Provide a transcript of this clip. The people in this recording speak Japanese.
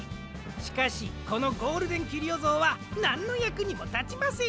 しかしこのゴールデンキュリオぞうはなんのやくにもたちません！